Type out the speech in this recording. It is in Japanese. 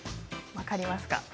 分かりますか？